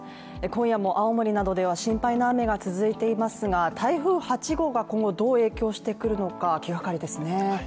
今夜も青森などでは心配な雨が続いていますが台風８号が今後どう影響してくるのか気がかりですね。